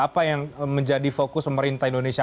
apa yang menjadi fokus pemerintah indonesia